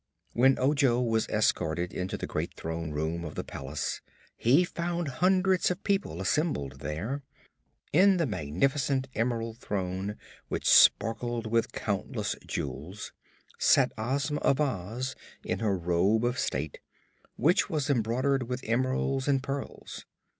When Ojo was escorted into the great Throne Room of the palace he found hundreds of people assembled there. In the magnificent emerald throne, which sparkled with countless jewels, sat Ozma of Oz in her Robe of State, which was embroidered with emeralds and pearls.